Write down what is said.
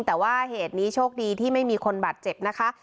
แต่ว่าเหตุนี้โชคดีที่ไม่มีคนบาดเจ็บนะคะ